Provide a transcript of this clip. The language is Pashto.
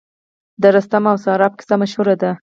د رستم او سهراب کیسه مشهوره ده